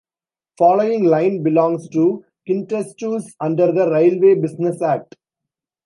Following line belongs to Kintetsu's under the Railway Business Act.